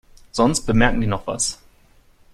Sonst bemerken die noch was.